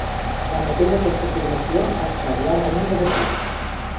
Tanmateix, aquesta afirmació ha estat llargament debatuda.